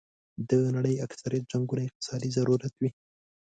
د نړۍ اکثریت جنګونه اقتصادي ضرورت وي.